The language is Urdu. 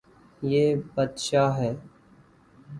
یے بدشاہ ہے